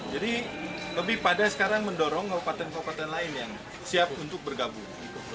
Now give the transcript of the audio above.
jadi lebih pada sekarang mendorong keupatan keupatan lain yang siap untuk bergabung